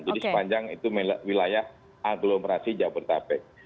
jadi sepanjang itu wilayah aglomerasi jabodetabek